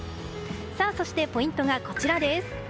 そして、ポイントがこちらです。